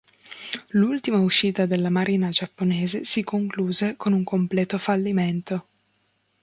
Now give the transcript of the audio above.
L'ultima uscita della marina giapponese si concluse con un completo fallimento.